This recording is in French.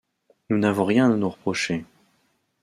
Nous n’avons rien à nous reprocher.